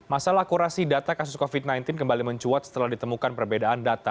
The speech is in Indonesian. masalah akurasi data kasus covid sembilan belas kembali mencuat setelah ditemukan perbedaan data